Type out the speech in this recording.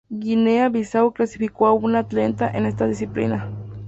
Guinea-Bisáu clasificó a una atleta en esta disciplina.